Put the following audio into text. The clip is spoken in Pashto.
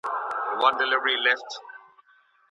ايا استادانو زده کوونکو ته ښې لارښوونې وکړې؟